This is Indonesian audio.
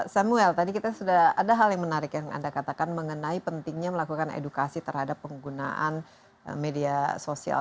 samuel tadi kita sudah ada hal yang menarik yang anda katakan mengenai pentingnya melakukan edukasi terhadap penggunaan media sosial